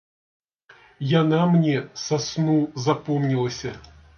Яна мне са сну запомнілася.